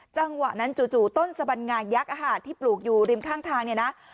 จังหวะนั้นจู่ต้นสบัญงายักษ์อาหารที่ปลูกอยู่ริมข้างทางเนี่ยนะ